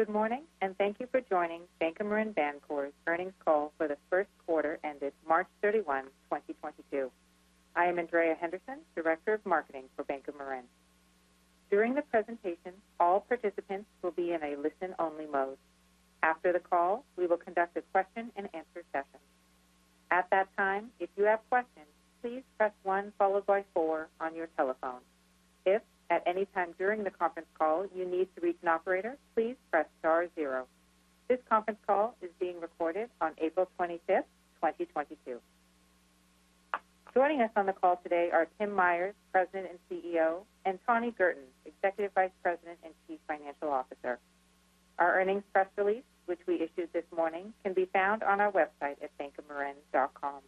Good morning, and thank you for joining Bank of Marin Bancorp's earnings call for the Q1 ended March 31, 2022. I am Andrea Henderson, Director of Marketing for Bank of Marin. During the presentation, all participants will be in a listen-only mode. After the call, we will conduct a question-and-answer session. At that time, if you have questions, please press one followed by four on your telephone. If at any time during the conference call you need to reach an operator, please press star zero. This conference call is being recorded on April 25, 2022. Joining us on the call today are Tim Myers, President and CEO, and Tani Girton, Executive Vice President and Chief Financial Officer. Our earnings press release, which we issued this morning, can be found on our website at bankofmarin.com,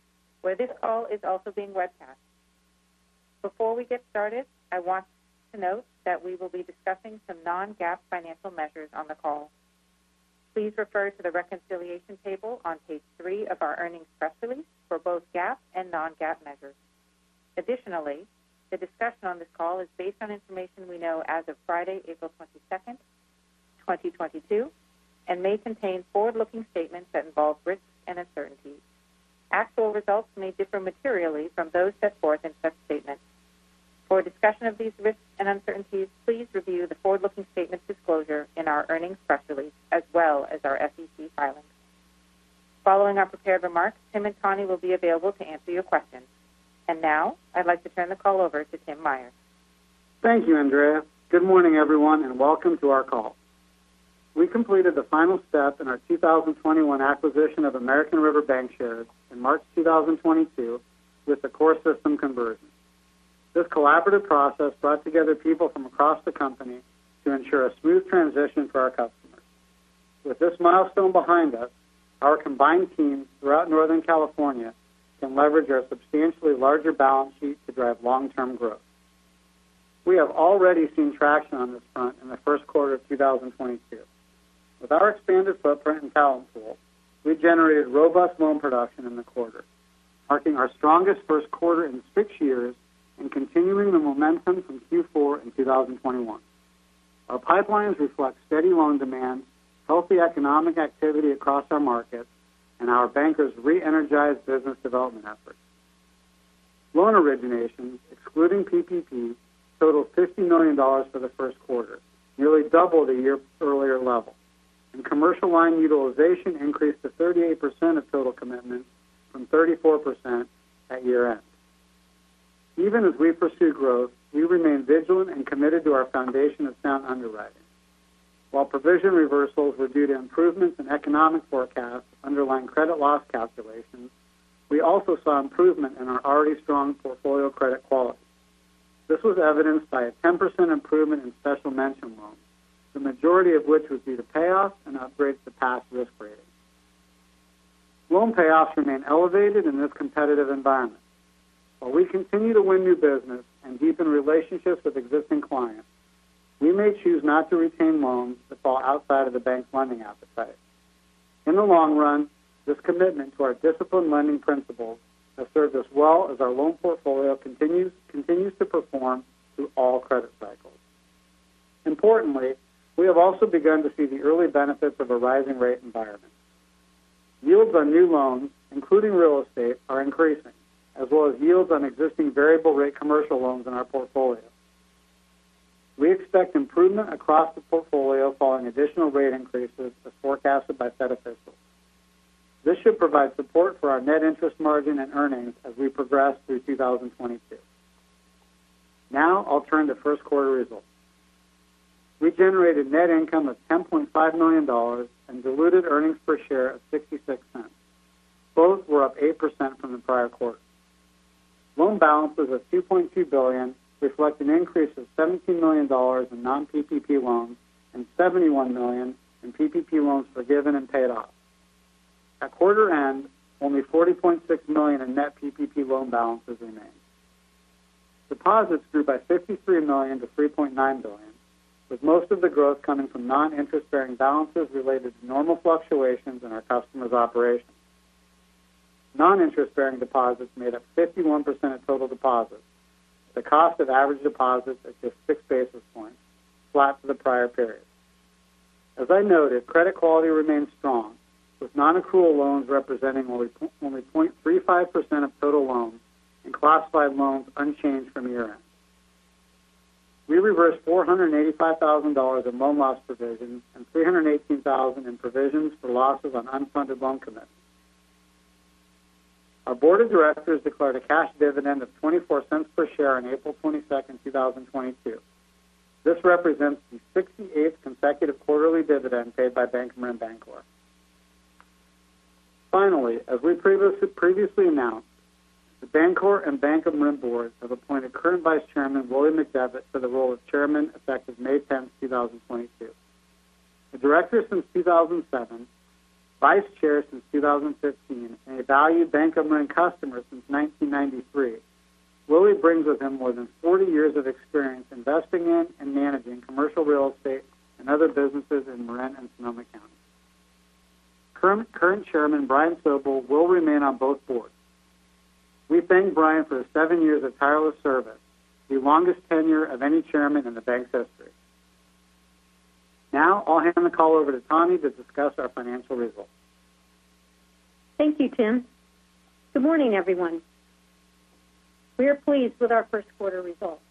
where this call is also being webcast. Before we get started, I want to note that we will be discussing some non-GAAP financial measures on the call. Please refer to the reconciliation table on page 3 of our earnings press release for both GAAP and non-GAAP measures. Additionally, the discussion on this call is based on information we know as of Friday, April 22nd, 2022, and may contain forward-looking statements that involve risks and uncertainties. Actual results may differ materially from those set forth in such statements. For a discussion of these risks and uncertainties, please review the forward-looking statements disclosure in our earnings press release, as well as our SEC filings. Following our prepared remarks, Tim and Tani will be available to answer your questions. Now I'd like to turn the call over to Tim Myers. Thank you, Andrea. Good morning, everyone, and welcome to our call. We completed the final step in our 2021 acquisition of American River Bank shares in March 2022 with the core system conversion. This collaborative process brought together people from across the company to ensure a smooth transition for our customers. With this milestone behind us, our combined teams throughout Northern California can leverage our substantially larger balance sheet to drive long-term growth. We have already seen traction on this front in the Q1 of 2022. With our expanded footprint and talent pool, we generated robust loan production in the quarter, marking our strongest Q1 in six years and continuing the momentum from Q4 in 2021. Our pipelines reflect steady loan demand, healthy economic activity across our markets, and our bankers re-energized business development efforts. Loan originations, excluding PPP, totaled $50 million for the Q1, nearly double the year earlier level, and commercial line utilization increased to 38% of total commitments from 34% at year-end. Even as we pursue growth, we remain vigilant and committed to our foundation of sound underwriting. While provision reversals were due to improvements in economic forecasts underlying credit loss calculations, we also saw improvement in our already strong portfolio credit quality. This was evidenced by a 10% improvement in special mention loans, the majority of which was due to payoffs and upgrades to pass risk ratings. Loan payoffs remain elevated in this competitive environment. While we continue to win new business and deepen relationships with existing clients, we may choose not to retain loans that fall outside of the bank's lending appetite. In the long run, this commitment to our disciplined lending principles has served us well as our loan portfolio continues to perform through all credit cycles. Importantly, we have also begun to see the early benefits of a rising rate environment. Yields on new loans, including real estate, are increasing, as well as yields on existing variable rate commercial loans in our portfolio. We expect improvement across the portfolio following additional rate increases as forecasted by Fed officials. This should provide support for our net interest margin and earnings as we progress through 2022. Now I'll turn to Q1 results. We generated net income of $10.5 million and diluted earnings per share of $0.66. Both were up 8% from the prior quarter. Loan balances of $2.2 billion reflect an increase of $17 million in non-PPP loans and $71 million in PPP loans forgiven and paid off. At quarter end, only $40.6 million in net PPP loan balances remain. Deposits grew by $53 million to $3.9 billion, with most of the growth coming from non-interest-bearing balances related to normal fluctuations in our customers' operations. Non-interest-bearing deposits made up 51% of total deposits. The cost of average deposits is just 6 basis points, flat to the prior period. As I noted, credit quality remains strong, with non-accrual loans representing only 0.35% of total loans and classified loans unchanged from year-end. We reversed $485,000 in loan loss provisions and $318,000 in provisions for losses on unfunded loan commitments. Our board of directors declared a cash dividend of $0.24 per share on April 22, 2022. This represents the 68th consecutive quarterly dividend paid by Bank of Marin Bancorp. Finally, as we previously announced, the Bancorp and Bank of Marin boards have appointed current Vice Chairman Willie McDevitt to the role of Chairman effective May 10, 2022. A director since 2007, Vice Chair since 2015, and a valued Bank of Marin customer since 1993, Willie brings with him more than 40 years of experience investing in and managing commercial real estate and other businesses in Marin and Sonoma County. Current Chairman Brian Sobel will remain on both boards. We thank Brian for the 7 years of tireless service, the longest tenure of any chairman in the bank's history. Now I'll hand the call over to Tani to discuss our financial results. Thank you, Tim. Good morning, everyone. We are pleased with our Q1 results.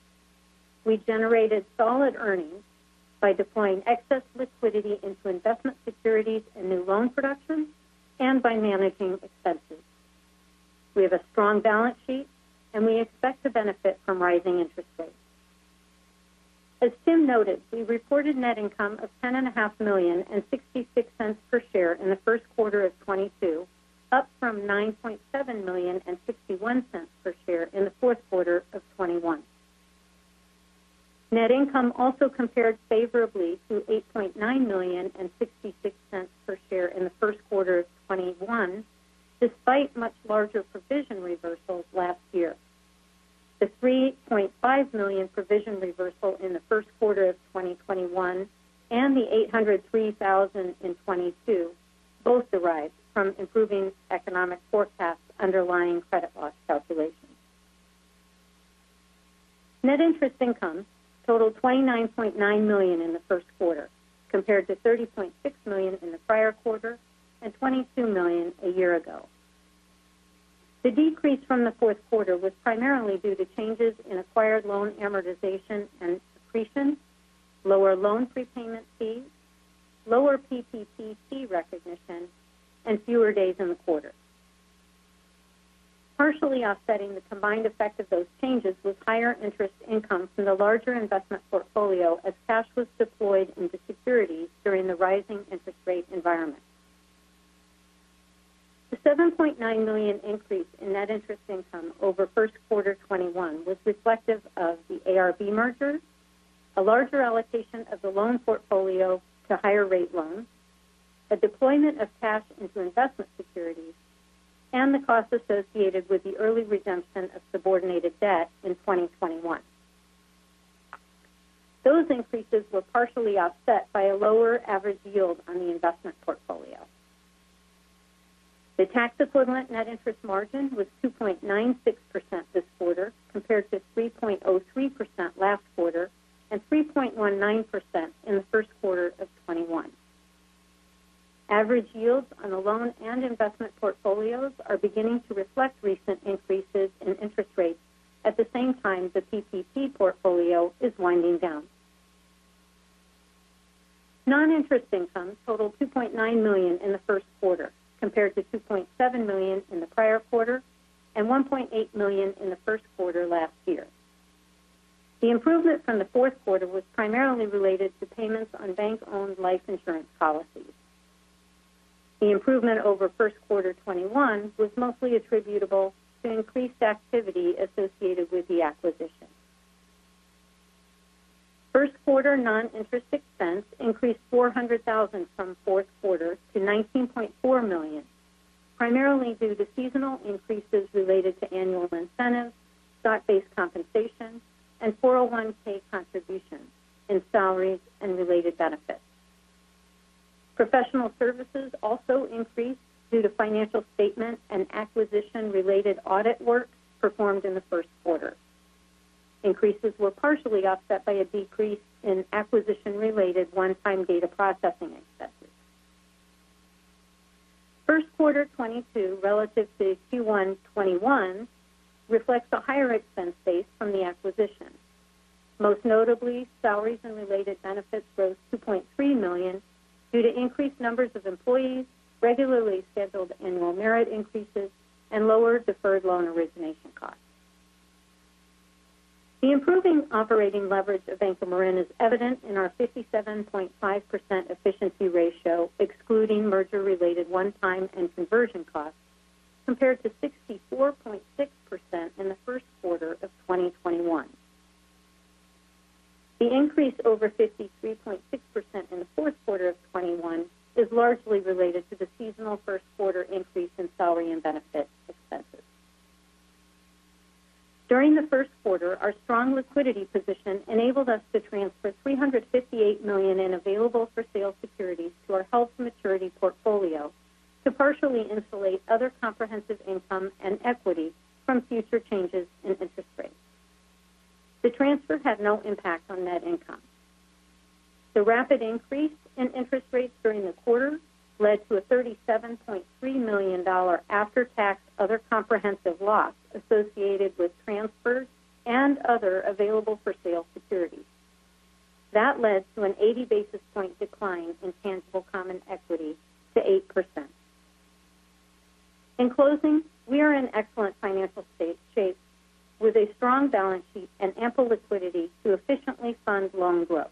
We generated solid earnings by deploying excess liquidity into investment securities and new loan production and by managing expenses. We have a strong balance sheet, and we expect to benefit from rising interest rates. As Tim noted, we reported net income of $10.5 million and $0.66 per share in the Q1 of 2022, up from $9.7 million and $0.61 per share in the fourth quarter of 2021. Net income also compared favorably to $8.9 million and $0.66 per share in the Q1 of 2021, despite much larger provision reversals last year. The $3.5 million provision reversal in the Q1 of 2021 and the $803 thousand in 2022 both derived from improving economic forecasts underlying credit loss calculations. Net interest income totaled $29.9 million in the Q1 compared to $30.6 million in the prior quarter and $22 million a year ago. The decrease from the fourth quarter was primarily due to changes in acquired loan amortization and depreciation, lower loan prepayment fees, lower PPP fee recognition, and fewer days in the quarter. Partially offsetting the combined effect of those changes was higher interest income from the larger investment portfolio as cash was deployed into securities during the rising interest rate environment. The $7.9 million increase in net interest income over Q1 2021 was reflective of the ARB merger, a larger allocation of the loan portfolio to higher rate loans, a deployment of cash into investment securities, and the costs associated with the early redemption of subordinated debt in 2021. Those increases were partially offset by a lower average yield on the investment portfolio. The tax equivalent net interest margin was 2.96% this quarter compared to 3.03% last quarter and 3.19% in the Q1 of 2021. Average yields on the loan and investment portfolios are beginning to reflect recent increases in interest rates. At the same time, the PPP portfolio is winding down. Non-interest income totaled $2.9 million in the Q1 compared to $2.7 million in the prior quarter and $1.8 million in the Q1 last year. The improvement from the fourth quarter was primarily related to payments on bank-owned life insurance policies. The improvement over Q1 2021 was mostly attributable to increased activity associated with the acquisition. Q1 non-interest expense increased $400,000 from fourth quarter to $19.4 million, primarily due to seasonal increases related to annual incentives, stock-based compensation, and 401K contributions in salaries and related benefits. Professional services also increased due to financial statement and acquisition-related audit work performed in the Q1. Increases were partially offset by a decrease in acquisition-related one-time data processing expenses. Q1 2022 relative to Q1 2021 reflects a higher expense base from the acquisition. Most notably, salaries and related benefits rose $2.3 million due to increased numbers of employees, regularly scheduled annual merit increases, and lower deferred loan origination costs. The improving operating leverage of Bank of Marin is evident in our 57.5% efficiency ratio, excluding merger-related one-time and conversion costs, compared to 64.6% in theQ1 of 2021. The increase over 53.6% in the fourth quarter of 2021 is largely related to the seasonal Q1 increase in salary and benefits expenses. During the Q1, our strong liquidity position enabled us to transfer $358 million in available for sale securities to our held maturity portfolio to partially insulate other comprehensive income and equity from future changes in interest rates. The transfer had no impact on net income. The rapid increase in interest rates during the quarter led to a $37.3 million after-tax other comprehensive loss associated with transfers and other available for sale securities. That led to an 80 basis point decline in tangible common equity to 8%. In closing, we are in excellent financial shape with a strong balance sheet and ample liquidity to efficiently fund loan growth.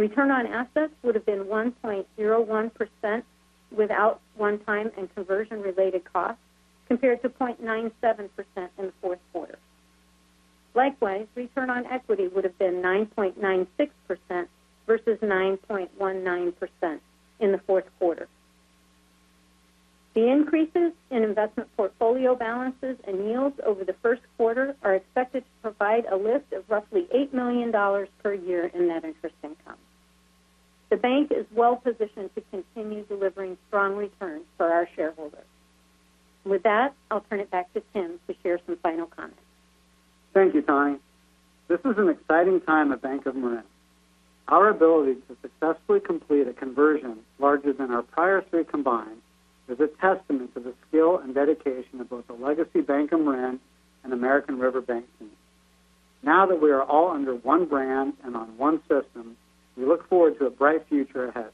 Return on assets would have been 1.01% without one-time and conversion related costs compared to 0.97% in the fourth quarter. Likewise, return on equity would have been 9.96% versus 9.19% in the fourth quarter. The increases in investment portfolio balances and yields over the Q1 are expected to provide a lift of roughly $8 million per year in net interest income. The bank is well positioned to continue delivering strong returns for our shareholders. With that, I'll turn it back to Tim to share some final comments. Thank you, Tani. This is an exciting time at Bank of Marin. Our ability to successfully complete a conversion larger than our prior three combined is a testament to the skill and dedication of both the legacy Bank of Marin and American River Bank teams. Now that we are all under one brand and on one system, we look forward to a bright future ahead.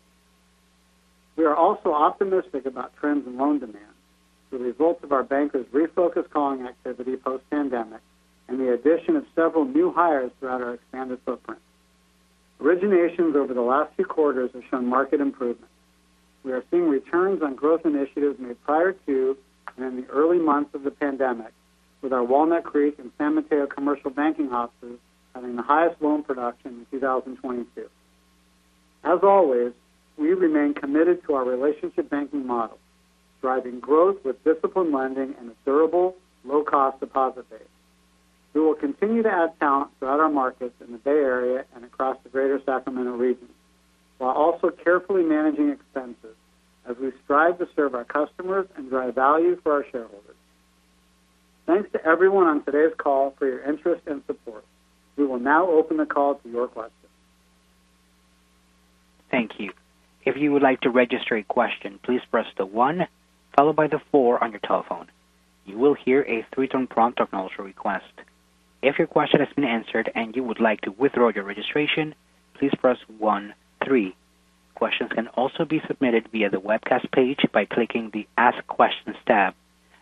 We are also optimistic about trends in loan demand, the results of our bankers' refocused calling activity post-pandemic, and the addition of several new hires throughout our expanded footprint. Originations over the last few quarters have shown market improvement. We are seeing returns on growth initiatives made prior to and in the early months of the pandemic, with our Walnut Creek and San Mateo commercial banking offices having the highest loan production in 2022. As always, we remain committed to our relationship banking model, driving growth with disciplined lending and a durable, low-cost deposit base. We will continue to add talent throughout our markets in the Bay Area and across the greater Sacramento region, while also carefully managing expenses as we strive to serve our customers and drive value for our shareholders. Thanks to everyone on today's call for your interest and support. We will now open the call to your questions. Thank you. If you would like to register a question, please press 1 followed by 4 on your telephone. You will hear a 3-tone prompt acknowledge your request. If your question has been answered and you would like to withdraw your registration, please press 1-3. Questions can also be submitted via the webcast page by clicking the Ask Questions tab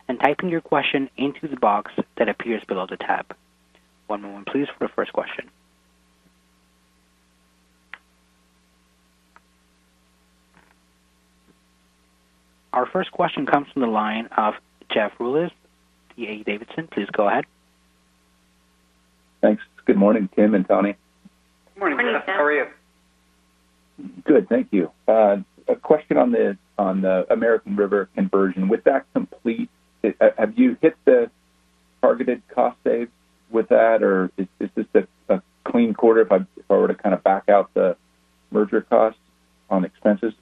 and typing your question into the box that appears below the tab. One moment, please, for the first question. Our first question comes from the line of Jeff Rulis, D.A. Davidson. Please go ahead. Thanks. Good morning, Tim and Tani. Good morning, Jeff. Morning, Jeff. How are you? Good, thank you. A question on the American River conversion. With that complete, have you hit the targeted cost save with that? Or is this a clean quarter if I were to kind of back out the merger costs on expenses?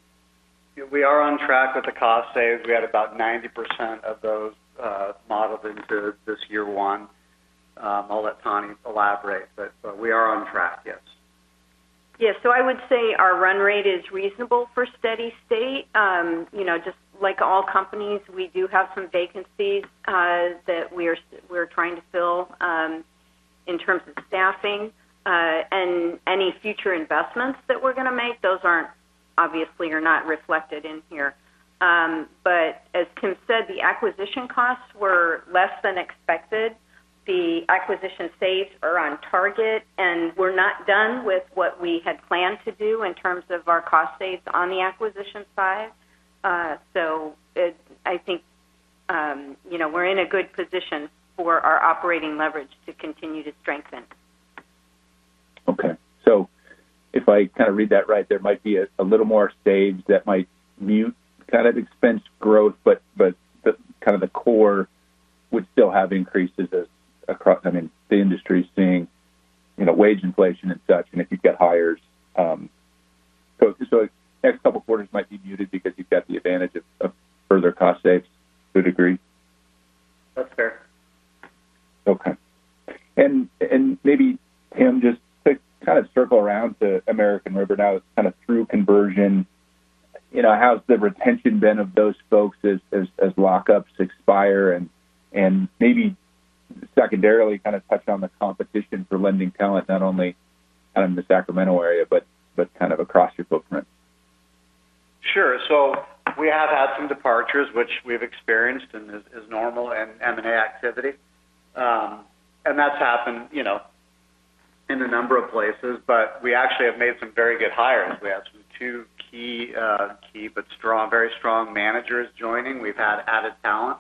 Yeah, we are on track with the cost saves. We had about 90% of those modeled into this year one. I'll let Tani elaborate, but we are on track, yes. Yes. I would say our run rate is reasonable for steady state. You know, just like all companies, we do have some vacancies that we're trying to fill in terms of staffing. Any future investments that we're going to make, those obviously are not reflected in here. As Tim said, the acquisition costs were less than expected. The acquisition savings are on target, and we're not done with what we had planned to do in terms of our cost savings on the acquisition side. I think you know, we're in a good position for our operating leverage to continue to strengthen. Okay. If I kind of read that right, there might be a little more savings that might mute kind of expense growth, but the kind of core would still have increases across, I mean, the industry is seeing, you know, wage inflation and such, and if you get hires. Next couple of quarters might be muted because you've got the advantage of further cost savings to a degree. That's fair. Okay. Maybe, Tim, just to kind of circle around to American River now it's kind of through conversion. You know, how's the retention been of those folks as lockups expire? Maybe secondarily kind of touch on the competition for lending talent, not only kind of in the Sacramento area, but kind of across your footprint. Sure. We have had some departures, which we've experienced and is normal in M&A activity. That's happened, you know, in a number of places. We actually have made some very good hires. We had some key but very strong managers joining. We've had added talent,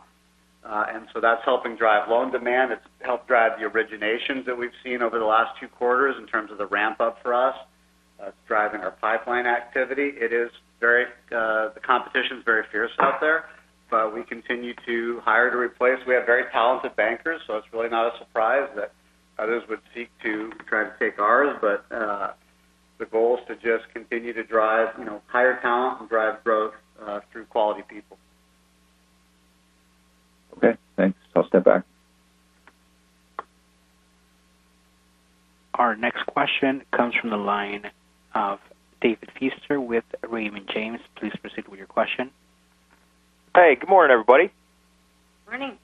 and so that's helping drive loan demand. It's helped drive the originations that we've seen over the last two quarters in terms of the ramp up for us, driving our pipeline activity. The competition is very fierce out there, but we continue to hire to replace. We have very talented bankers, so it's really not a surprise that others would seek to try to take ours. The goal is to just continue to drive, you know, hire talent and drive growth, through quality people. Okay, thanks. I'll step back. Our next question comes from the line of David Feaster with Raymond James. Please proceed with your question. Hey, good morning, everybody. Morning.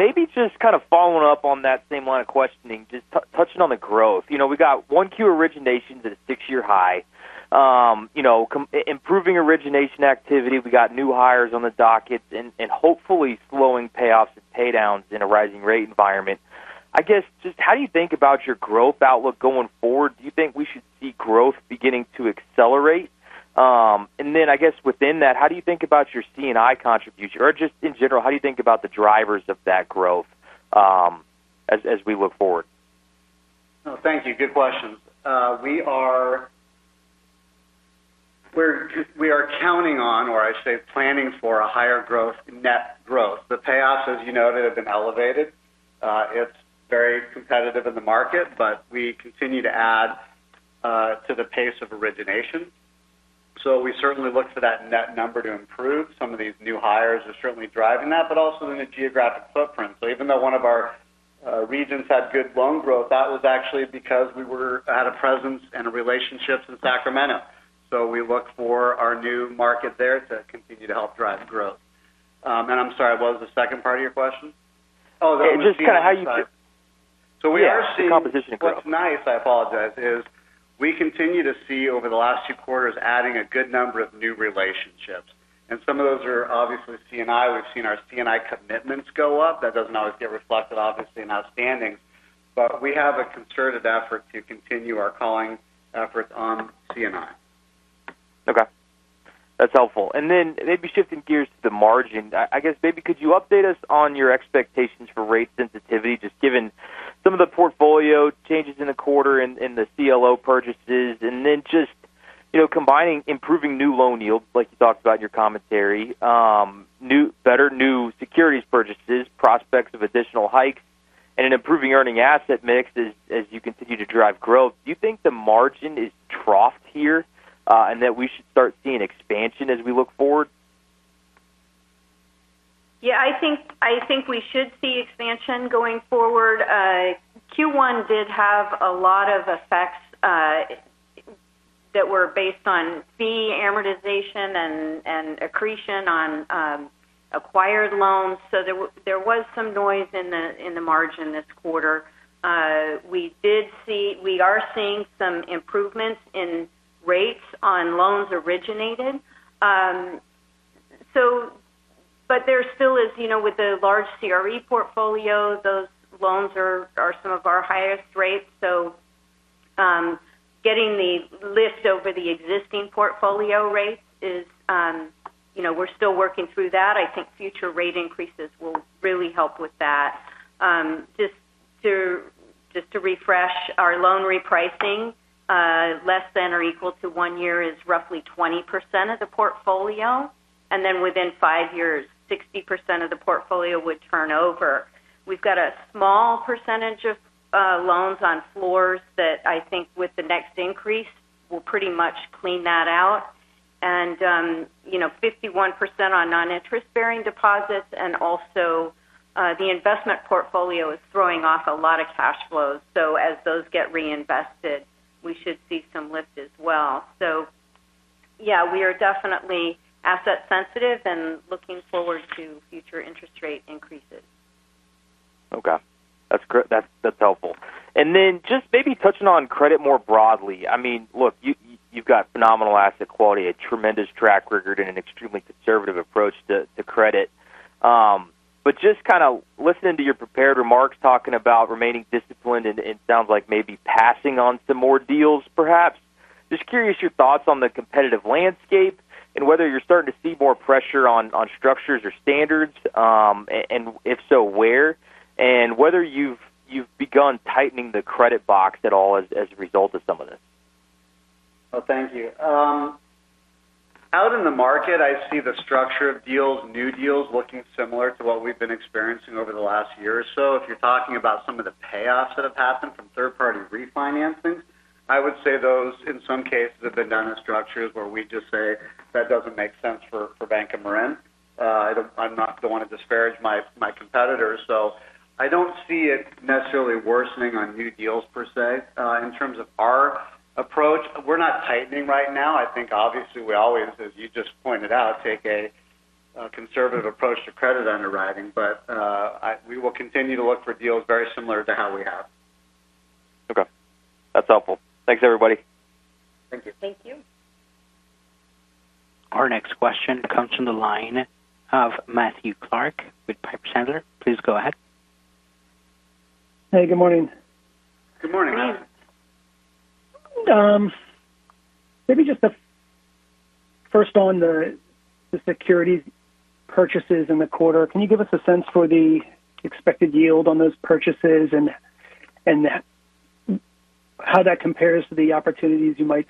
Maybe just kind of following up on that same line of questioning, just touching on the growth. You know, we got 1Q originations at a 6-year high. You know, improving origination activity. We got new hires on the docket and hopefully slowing payoffs and pay downs in a rising rate environment. I guess, just how do you think about your growth outlook going forward? Do you think we should see growth beginning to accelerate? And then I guess within that, how do you think about your C&I contribution? Or just in general, how do you think about the drivers of that growth, as we look forward? No, thank you. Good questions. We are counting on, or I should say, planning for a higher growth, net growth. The payoffs, as you noted, have been elevated. It's very competitive in the market, but we continue to add to the pace of origination. We certainly look for that net number to improve. Some of these new hires are certainly driving that, but also in a geographic footprint. Even though one of our regions had good loan growth, that was actually because we had a presence and relationships in Sacramento. We look for our new market there to continue to help drive growth. I'm sorry, what was the second part of your question? Oh, just kind of how you We are seeing- Yeah, the competition growth. What's nice, I apologize, is we continue to see over the last two quarters, adding a good number of new relationships. Some of those are obviously C&I. We've seen our C&I commitments go up. That doesn't always get reflected, obviously, in outstanding. We have a concerted effort to continue our calling efforts on C&I. Okay. That's helpful. Maybe shifting gears to the margin. I guess maybe could you update us on your expectations for rate sensitivity, just given some of the portfolio changes in the quarter and the CLO purchases, and then just, you know, combining improving new loan yields, like you talked about in your commentary, better new securities purchases, prospects of additional hikes, and an improving earning asset mix as you continue to drive growth. Do you think the margin is troughed here, and that we should start seeing expansion as we look forward? I think we should see expansion going forward. Q1 did have a lot of effects that were based on fee amortization and accretion on acquired loans. There was some noise in the margin this quarter. We are seeing some improvements in rates on loans originated. But there still is, you know, with the large CRE portfolio, those loans are some of our highest rates. Getting the lift over the existing portfolio rates is, you know, we're still working through that. I think future rate increases will really help with that. Just to refresh our loan repricing, less than or equal to one year is roughly 20% of the portfolio. Then within five years, 60% of the portfolio would turn over. We've got a small percentage of loans on floors that I think with the next increase, we'll pretty much clean that out. You know, 51% on non-interest-bearing deposits and also, the investment portfolio is throwing off a lot of cash flows. As those get reinvested, we should see some lift as well. Yeah, we are definitely asset sensitive and looking forward to future interest rate increases. Okay. That's helpful. Just maybe touching on credit more broadly. I mean, look, you've got phenomenal asset quality, a tremendous track record, and an extremely conservative approach to credit. Just kind of listening to your prepared remarks, talking about remaining disciplined, and it sounds like maybe passing on some more deals, perhaps. Just curious your thoughts on the competitive landscape and whether you're starting to see more pressure on structures or standards, and if so, where? Whether you've begun tightening the credit box at all as a result of some of this. Oh, thank you. Out in the market, I see the structure of deals, new deals looking similar to what we've been experiencing over the last year or so. If you're talking about some of the payoffs that have happened from third-party refinancing, I would say those, in some cases, have been done in structures where we just say that doesn't make sense for Bank of Marin. I'm not the one to disparage my competitors. I don't see it necessarily worsening on new deals per se. In terms of our approach, we're not tightening right now. I think obviously we always, as you just pointed out, take a conservative approach to credit underwriting. We will continue to look for deals very similar to how we have. Okay. That's helpful. Thanks, everybody. Thank you. Thank you. Our next question comes from the line of Matthew Clark with Piper Sandler. Please go ahead. Hey, good morning. Good morning. Maybe just a first on the securities purchases in the quarter. Can you give us a sense for the expected yield on those purchases and how that compares to the opportunities you might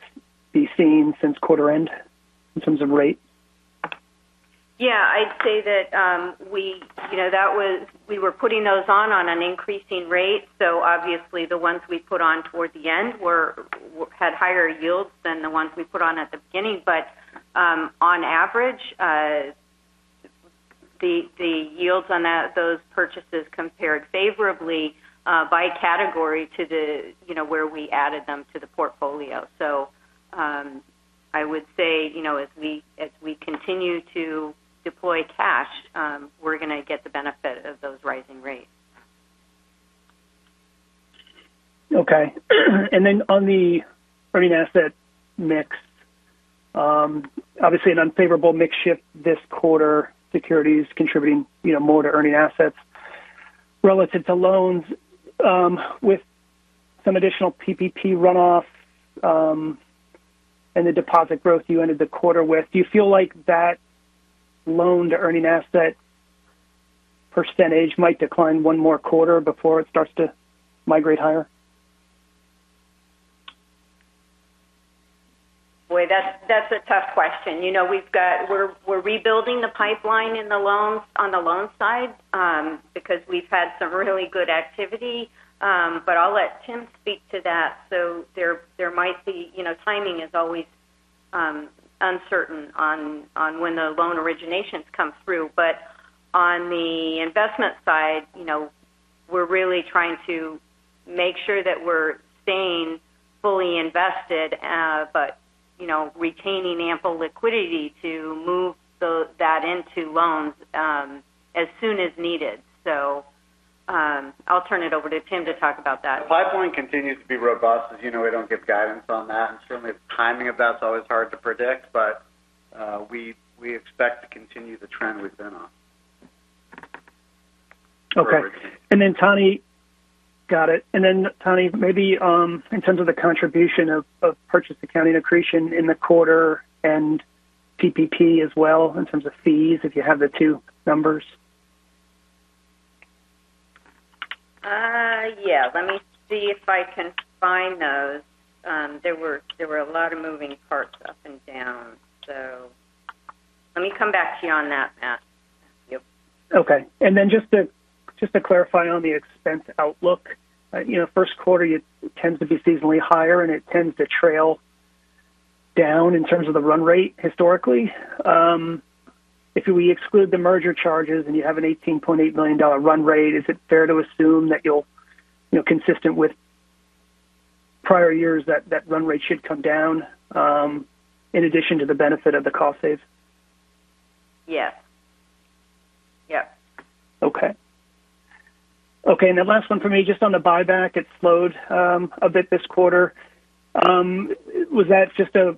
be seeing since quarter end in terms of rate? Yeah. I'd say that we, you know, we were putting those on an increasing rate. Obviously the ones we put on towards the end had higher yields than the ones we put on at the beginning. On average, the yields on that those purchases compared favorably by category to the, you know, where we added them to the portfolio. I would say, you know, as we continue to deploy cash, we're going to get the benefit of those rising rates. Okay. Then on the earning asset mix, obviously an unfavorable mix shift this quarter, securities contributing, you know, more to earning assets relative to loans. With some additional PPP runoff, and the deposit growth you ended the quarter with, do you feel like that loan to earning asset percentage might decline one more quarter before it starts to migrate higher? Boy, that's a tough question. You know, we're rebuilding the pipeline in the loans on the loan side because we've had some really good activity. But I'll let Tim speak to that. There might be, you know, timing is always uncertain on when the loan originations come through. But on the investment side, you know, we're really trying to make sure that we're staying fully invested, but you know, retaining ample liquidity to move that into loans as soon as needed. I'll turn it over to Tim to talk about that. Pipeline continues to be robust. As you know, we don't give guidance on that. Certainly timing of that's always hard to predict, but we expect to continue the trend we've been on. Okay. Tani. Got it. Tani, maybe in terms of the contribution of purchase accounting accretion in the quarter and PPP as well in terms of fees, if you have the two numbers. Yeah. Let me see if I can find those. There were a lot of moving parts up and down, so let me come back to you on that, Matt. Yep. Okay. Just to clarify on the expense outlook. You know, Q1 it tends to be seasonally higher, and it tends to trail down in terms of the run rate historically. If we exclude the merger charges and you have an $18.8 million run rate, is it fair to assume that you'll, you know, consistent with prior years that run rate should come down, in addition to the benefit of the cost saves? Yes. Yep. Okay, the last one for me, just on the buyback, it slowed a bit this quarter. Was that just a,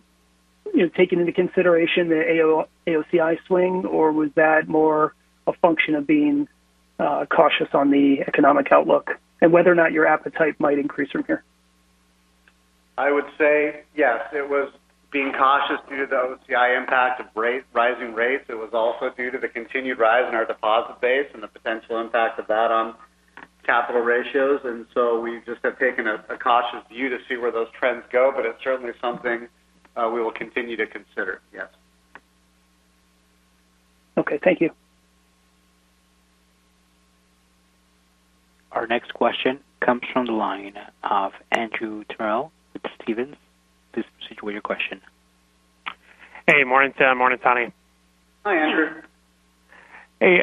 you know, taking into consideration the AOCI swing, or was that more a function of being cautious on the economic outlook and whether or not your appetite might increase from here? I would say yes, it was being cautious due to the AOCI impact of rising rates. It was also due to the continued rise in our deposit base and the potential impact of that on capital ratios. We just have taken a cautious view to see where those trends go. It's certainly something we will continue to consider. Yes. Okay. Thank you. Our next question comes from the line of Andrew Terrell with Stephens. Please proceed with your question. Hey, morning, Tim. Morning, Tani. Hi, Andrew. Hey,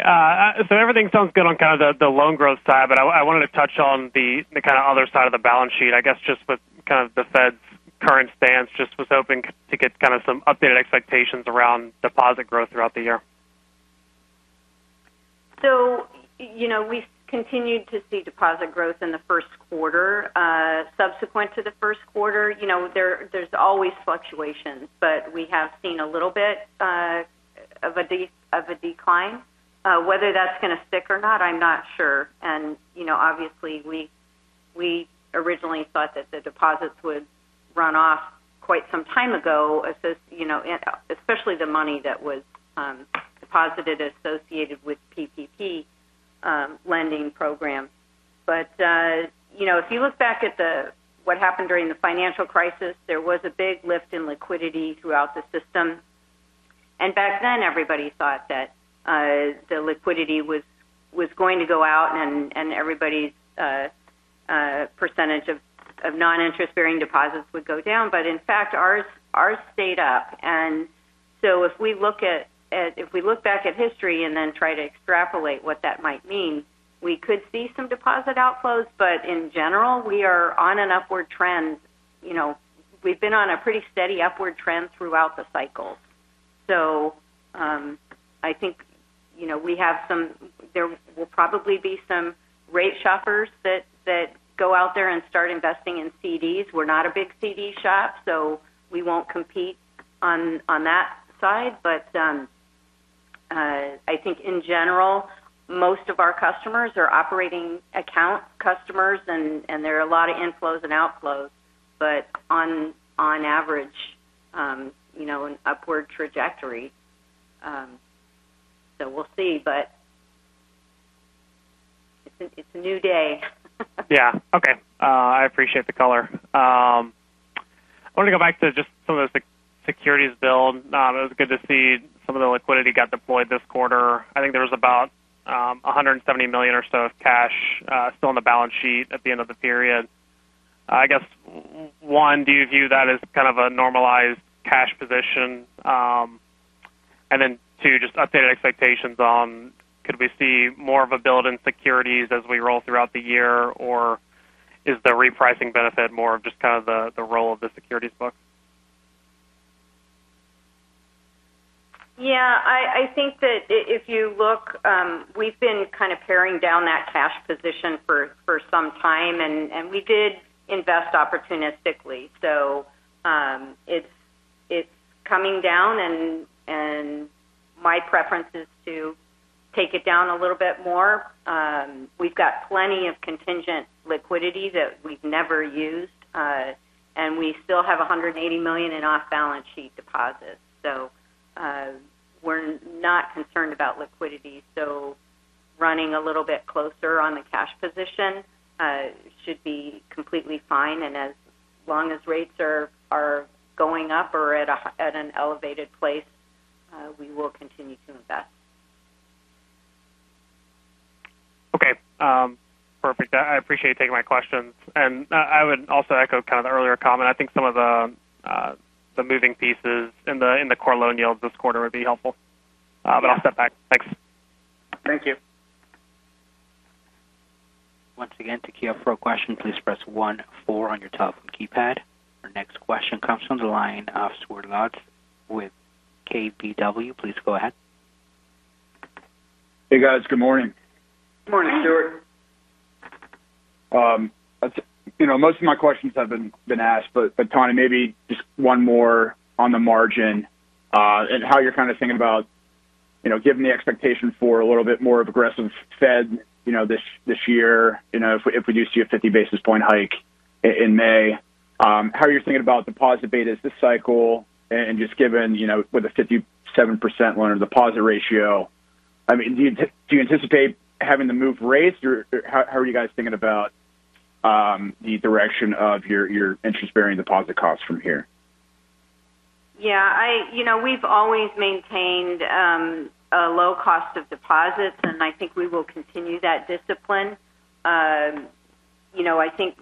everything sounds good on kind of the loan growth side, but I wanted to touch on the kind of other side of the balance sheet. I guess just with kind of the Fed's current stance, just was hoping to get kind of some updated expectations around deposit growth throughout the year. You know, we continued to see deposit growth in the Q1. Subsequent to the Q1, you know, there's always fluctuations, but we have seen a little bit of a decline. Whether that's going to stick or not, I'm not sure. You know, obviously we originally thought that the deposits would run off quite some time ago, you know, especially the money that was deposited associated with PPP lending program. You know, if you look back at the what happened during the financial crisis, there was a big lift in liquidity throughout the system. Back then everybody thought that the liquidity was going to go out and everybody's percentage of non-interest bearing deposits would go down. In fact, ours stayed up. If we look back at history and then try to extrapolate what that might mean, we could see some deposit outflows. In general, we are on an upward trend. You know, we've been on a pretty steady upward trend throughout the cycle. I think, you know, there will probably be some rate shoppers that go out there and start investing in CDs. We're not a big CD shop, so we won't compete on that side. I think in general, most of our customers are operating account customers and there are a lot of inflows and outflows, but on average, you know, an upward trajectory. We'll see. It's a new day. Yeah. Okay. I appreciate the color. I want to go back to just some of the securities build. It was good to see some of the liquidity got deployed this quarter. I think there was about $170 million or so of cash still on the balance sheet at the end of the period. I guess, one, do you view that as kind of a normalized cash position? And then two, just updated expectations on could we see more of a build in securities as we roll throughout the year, or is the repricing benefit more of just kind of the role of the securities book? Yeah. I think that if you look, we've been kind of paring down that cash position for some time, and we did invest opportunistically. It's coming down and my preference is to take it down a little bit more. We've got plenty of contingent liquidity that we've never used. We still have $180 million in off-balance sheet deposits. We're not concerned about liquidity. Running a little bit closer on the cash position should be completely fine. As long as rates are going up or at an elevated pace, we will continue to invest. Okay. Perfect. I appreciate you taking my questions. I would also echo kind of the earlier comment. I think some of the moving pieces in the core loan yields this quarter would be helpful. I'll step back. Thanks. Thank you. Once again, to queue up for a question, please press 14 on your telephone keypad. Our next question comes from the line of Stuart with KBW. Please go ahead. Hey, guys. Good morning. Morning, Stuart. That's you know, most of my questions have been asked. Tani, maybe just one more on the margin, and how you're kind of thinking about, you know, given the expectation for a little bit more aggressive Fed, you know, this year, you know, if we do see a 50 basis point hike in May, how are you thinking about deposit betas this cycle and just given, you know, with a 57% loan-to-deposit ratio? I mean, do you anticipate having to move rates? Or how are you guys thinking about the direction of your interest-bearing deposit costs from here? Yeah, you know, we've always maintained a low cost of deposits, and I think we will continue that discipline. You know, I think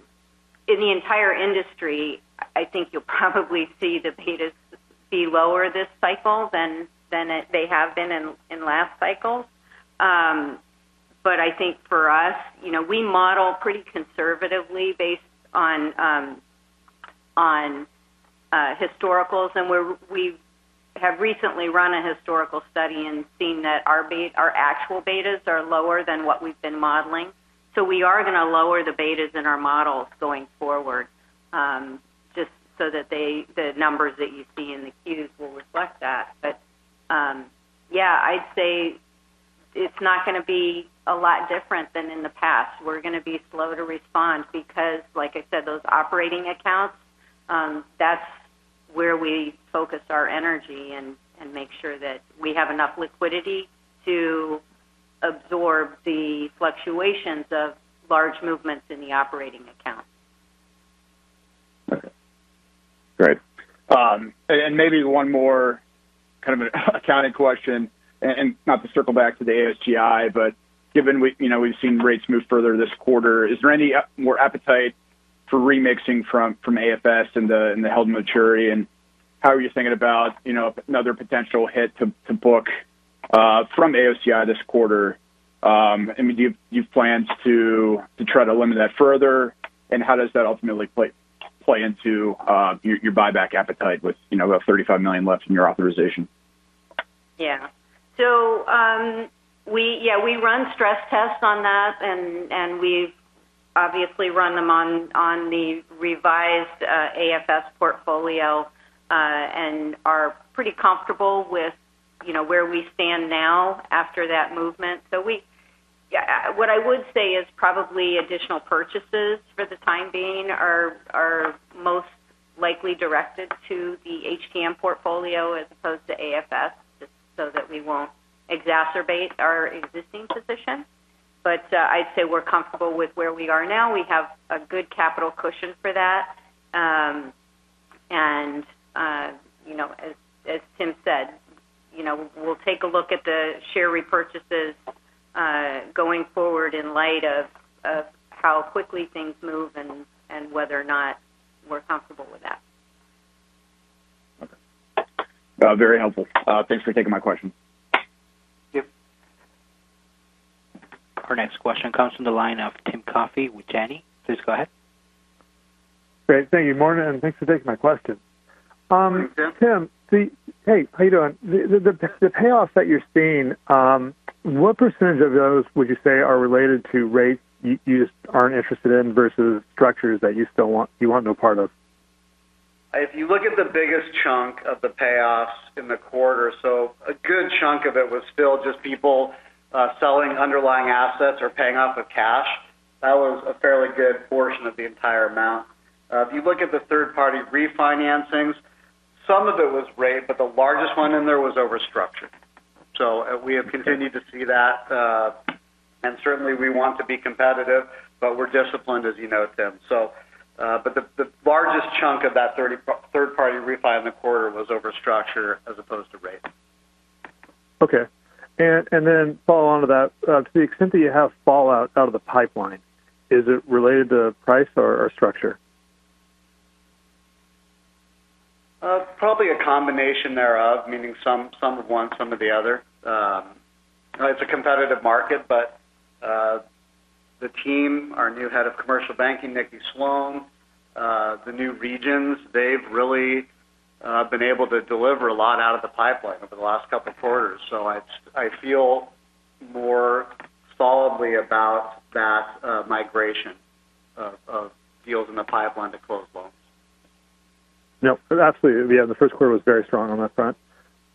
in the entire industry, I think you'll probably see the betas be lower this cycle than they have been in the last cycle. I think for us, you know, we model pretty conservatively based on historicals. We have recently run a historical study and seen that our actual betas are lower than what we've been modeling. We are gonna lower the betas in our models going forward, just so that the numbers that you see in the Q's will reflect that. Yeah, I'd say it's not gonna be a lot different than in the past. We're gonna be slow to respond because, like I said, those operating accounts, that's where we focus our energy and make sure that we have enough liquidity to absorb the fluctuations of large movements in the operating account. Okay. Great. Maybe one more kind of an accounting question, not to circle back to the AOCI, but given we you know we've seen rates move further this quarter, is there any more appetite for remixing from AFS and the held maturity? How are you thinking about you know another potential hit to book from AOCI this quarter? I mean, do you plan to try to limit that further? How does that ultimately play into your buyback appetite with you know about $35 million left in your authorization? Yeah. We run stress tests on that, and we've obviously run them on the revised AFS portfolio and are pretty comfortable with, you know, where we stand now after that movement. What I would say is probably additional purchases for the time being are most likely directed to the HTM portfolio as opposed to AFS, just so that we won't exacerbate our existing position. I'd say we're comfortable with where we are now. We have a good capital cushion for that. You know, as Tim said, you know, we'll take a look at the share repurchases going forward in light of how quickly things move and whether or not we're comfortable with that. Okay. Very helpful. Thanks for taking my question. Yep. Our next question comes from the line of Tim Coffey with Janney. Please go ahead. Great. Thank you. Good morning, and thanks for taking my question. Morning, Tim. Tim, hey, how you doing? The payoffs that you're seeing, what percentage of those would you say are related to rates you just aren't interested in versus structures that you still want no part of? If you look at the biggest chunk of the payoffs in the quarter, a good chunk of it was still just people selling underlying assets or paying off with cash. That was a fairly good portion of the entire amount. If you look at the third party refinancings, some of it was rate, but the largest one in there was overstructure. We have continued to see that, and certainly we want to be competitive, but we're disciplined, as you note, Tim. But the largest chunk of that third party refi in the quarter was overstructure as opposed to rate. Okay. Follow on to that. To the extent that you have fall out of the pipeline, is it related to price or structure? Probably a combination thereof, meaning some of one, some of the other. It's a competitive market, but the team, our new Head of Commercial Banking, Nikki Sloan, the new regions, they've really been able to deliver a lot out of the pipeline over the last couple of quarters. I feel more solidly about that migration of deals in the pipeline to close loans. No, absolutely. Yeah, the Q1 was very strong on that front.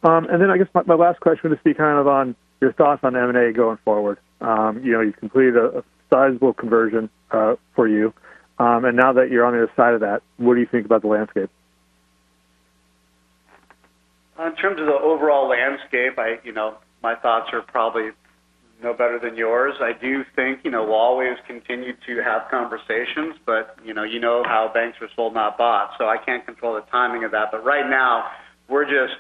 I guess my last question would be kind of on your thoughts on M&A going forward. You know, you've completed a sizable conversion for you, and now that you're on the other side of that, what do you think about the landscape? In terms of the overall landscape, I, you know, my thoughts are probably no better than yours. I do think, you know, we'll always continue to have conversations, but, you know, you know how banks are sold, not bought. So I can't control the timing of that. But right now, we're just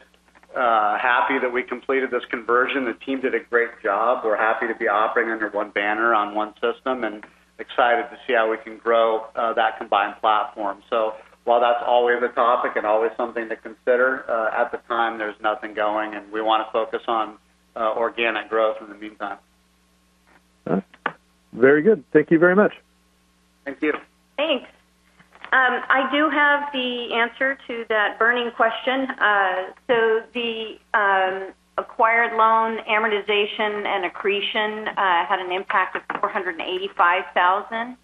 happy that we completed this conversion. The team did a great job. We're happy to be operating under one banner on one system and excited to see how we can grow that combined platform. So while that's always a topic and always something to consider at the time, there's nothing going, and we want to focus on organic growth in the meantime. Very good. Thank you very much. Thank you. Thanks. I do have the answer to that burning question. The acquired loan amortization and accretion had an impact of $485 thousand.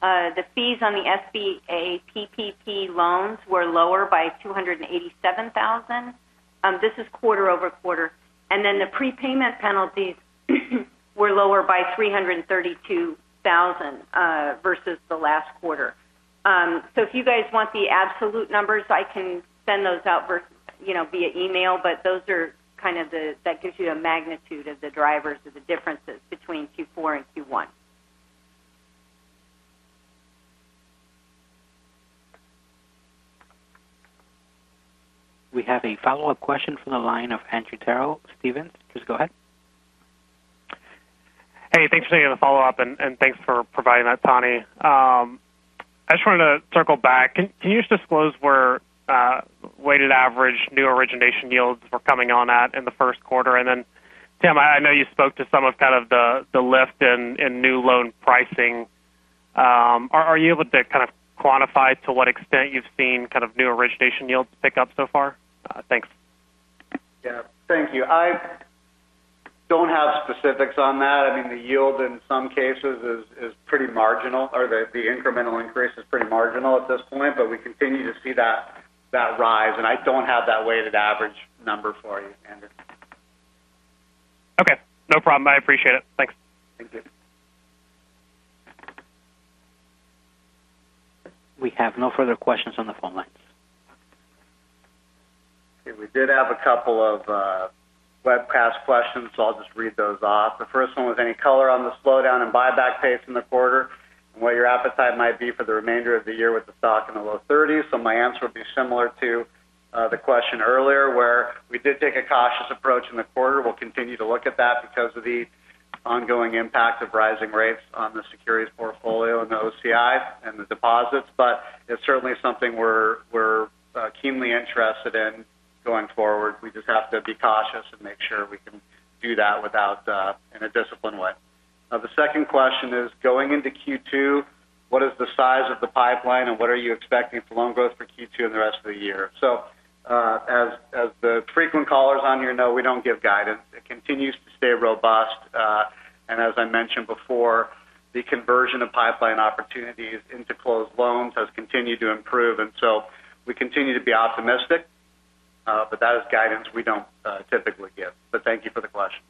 The fees on the SBA PPP loans were lower by $287 thousand. This is quarter-over-quarter. The prepayment penalties were lower by $332 thousand versus the last quarter. If you guys want the absolute numbers, I can send those out, you know, via email, but those are kind of that gives you a magnitude of the drivers of the differences between Q4 and Q1. We have a follow-up question from the line of Andrew Terrell, Stephens. Please go ahead. Hey, thanks for taking the follow-up, and thanks for providing that, Tani. I just wanted to circle back. Can you just disclose where weighted average new origination yields were coming on at in the Q1? Tim, I know you spoke to some of kind of the lift in new loan pricing. Are you able to kind of quantify to what extent you've seen kind of new origination yields pick up so far? Thanks. Yeah. Thank you. I don't have specifics on that. I mean, the yield in some cases is pretty marginal, or the incremental increase is pretty marginal at this point, but we continue to see that rise. I don't have that weighted average number for you, Andrew. Okay. No problem. I appreciate it. Thanks. Thank you. We have no further questions on the phone lines. Okay. We did have a couple of webcast questions, so I'll just read those off. The first one was any color on the slowdown and buyback pace in the quarter and what your appetite might be for the remainder of the year with the stock in the low 30s? My answer would be similar to the question earlier, where we did take a cautious approach in the quarter. We'll continue to look at that because of the ongoing impact of rising rates on the securities portfolio and the OCI and the deposits. It's certainly something we're keenly interested in going forward. We just have to be cautious and make sure we can do that without in a disciplined way. Now, the second question is, going into Q2, what is the size of the pipeline, and what are you expecting for loan growth for Q2 and the rest of the year? As the frequent callers on here know, we don't give guidance. It continues to stay robust. As I mentioned before, the conversion of pipeline opportunities into closed loans has continued to improve, and so we continue to be optimistic. That is guidance we don't typically give. Thank you for the question.